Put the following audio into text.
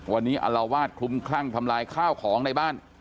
วันนี้อลลาวาสคุ้มข้างทำร้ายข้าวของในบ้าน